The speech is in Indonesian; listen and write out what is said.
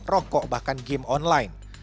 rokok bahkan game online